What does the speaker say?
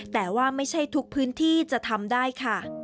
แต่ว่าไม่ใช่ทุกพื้นที่จะทำได้ค่ะ